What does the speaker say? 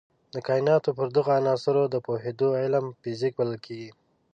د کایناتو پر دغو عناصرو د پوهېدو علم فزیک بلل کېږي.